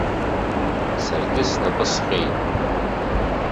Саргьы снапы сҟьеит.